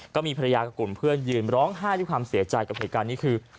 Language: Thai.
ก็มีภรรยากับกลุ่มเพื่อนยืนร้องไห้ด้วยความเสียใจกับเหตุการณ์นี้คือ